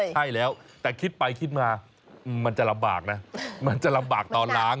ใช่แล้วแต่คิดไปคิดมามันจะลำบากนะมันจะลำบากตอนล้าง